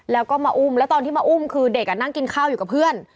แล้วก็มาอุ้มแล้วตอนที่มาอุ้มคือเด็กนั่งกินข้าวอยู่กับเพื่อน